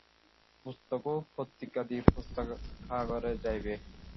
পুস্তক ও পত্রিকাদি পুস্তকাগারে যাইবে।